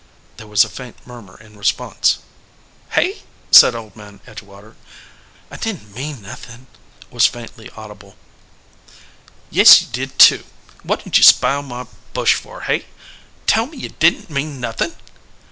There was a faint murmur in response. "Hey?" said Old Man Edgewater. "I didn t mean nothin ," was faintly audible. 108 THE FLOWERING BUSH "Yes, you did, too. What did ye sp ile my bush for, hey ? Tell me ye didn t mean nothin !"